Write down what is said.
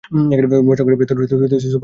বসার ঘরের বেতের সোফা ঝাড়ন দিয়ে ঝাড়ে।